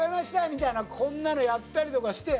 みたいなこんなのやったりとかして。